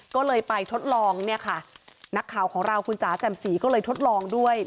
ก็เลยไปทดลองเนี่ยค่ะนักข่าวของเราคุณจ๋าแจ่มสีก็เลยทดลองด้วย